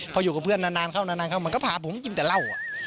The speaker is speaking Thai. พออยู่กับเพื่อนนานเข้ามาก็ผ่าผมกินแต่เหล้า